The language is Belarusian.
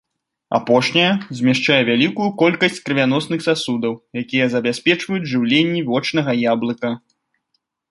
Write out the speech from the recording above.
Апошняя змяшчае вялікую колькасць крывяносных сасудаў, якія забяспечваюць жыўленне вочнага яблыка.